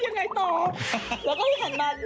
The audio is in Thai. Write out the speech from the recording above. ฮึ้ยแล้วยังไงต่อ